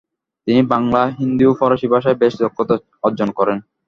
তিনি বাংলা, হিন্দি ও ফারসি ভাষায় বেশ দক্ষতা অর্জন করেন।